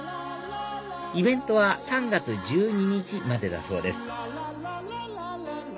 イベントは３月１２日までだそうです